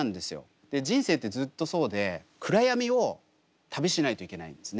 で人生ってずっとそうで暗闇を旅しないといけないんですね。